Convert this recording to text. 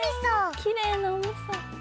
きれいなおみそ。